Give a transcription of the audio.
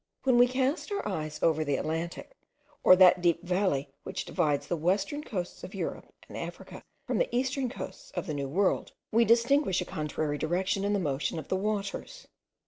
When we cast our eyes over the Atlantic, or that deep valley which divides the western coasts of Europe and Africa from the eastern coasts of the new world, we distinguish a contrary direction in the motion of the waters.